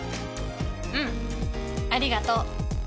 うんありがとう。